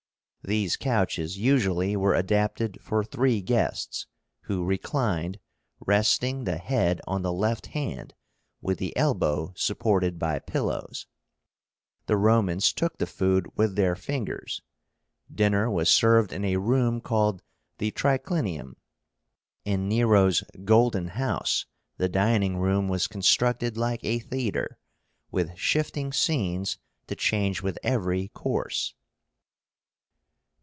These couches usually were adapted for three guests, who reclined, resting the head on the left hand, with the elbow supported by pillows. The Romans took the food with their fingers. Dinner was served in a room called the TRICLINIUM. In Nero's "Golden House," the dining room was constructed like a theatre, with shifting scenes to change with every course.